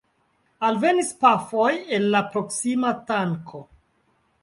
Alvenis pafoj el la proksima tanko.